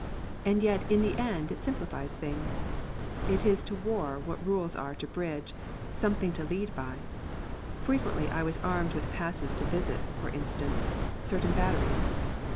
And yet in the end it simplifies things. It is to war what rules are to bridge something to lead by! Frequently I was armed with passes to visit, for instance, certain batteries.